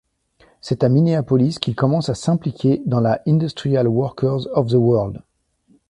C'est à Minneapolis qu'il commence à s'impliquer dans la Industrial Workers of the World.